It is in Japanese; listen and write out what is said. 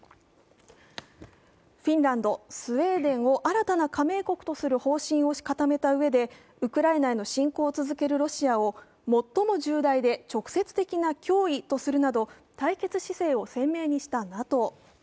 フィンランド、スウェーデンを新たな加盟国とする方針を固めたうえでウクライナへの侵攻を続けるロシアを最も重大で直接的な脅威とするなど対決姿勢を鮮明にしたＮＡＴＯ。